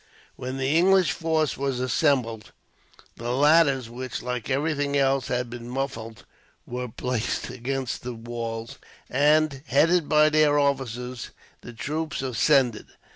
When the English force were assembled, the ladders, which, like everything else, had been muffled, were placed against the walls; and, headed by their officers, the troops ascended.